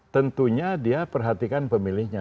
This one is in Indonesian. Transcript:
tentunya dia perhatikan pemilihnya